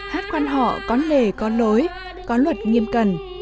hát quan họ có lề có lối có luật nghiêm cần